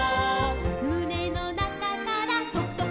「むねのなかからとくとくとく」